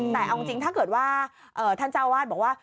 แต่เอาจริงถ้าเกิดว่าท่านเจ้าวาดบอกว่า